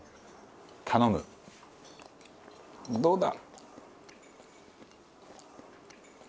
どうだ？